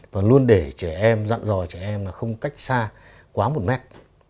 và luôn để trẻ em dặn dò trẻ em là không cách xa quá một mét